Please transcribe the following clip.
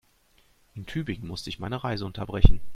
In Tübingen musste ich meine Reise unterbrechen